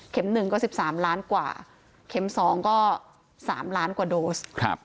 ๑ก็๑๓ล้านกว่าเข็ม๒ก็๓ล้านกว่าโดส